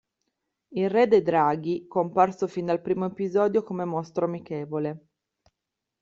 Il re dei draghi, comparso fin dal primo episodio come mostro amichevole.